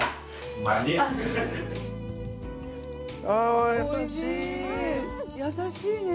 あ優しい。